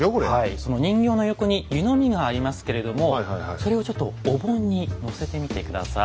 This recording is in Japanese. その人形の横に湯飲みがありますけれどもそれをちょっとお盆にのせてみて下さい。